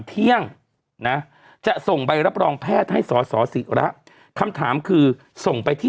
เที่ยงนะจะส่งใบรับรองแพทย์ให้สสิระคำถามคือส่งไปที่